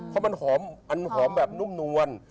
เพราะมันหอมแบบนุ่มนวล